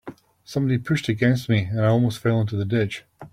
Somebody pushed against me, and I almost fell into the ditch.